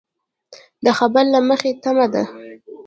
د خبر له مخې تمه ده